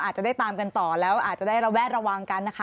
อาจจะได้ตามกันต่อแล้วอาจจะได้ระแวดระวังกันนะคะ